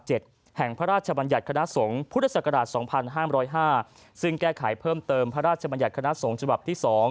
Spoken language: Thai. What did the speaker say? ของพระราชบัญญัติคณะสงศ์พฤศกราชสนทรีปราศาลทรีป๒๕๕๕ซึ่งแก้ไขเพิ่มเติมพระราชบัญญัติคณะสงศ์ฉับบาทที่๒